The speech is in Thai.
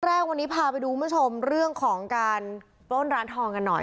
แรกวันนี้พาไปดูคุณผู้ชมเรื่องของการปล้นร้านทองกันหน่อย